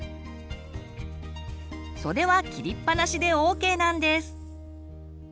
袖は切りっぱなしでＯＫなんです！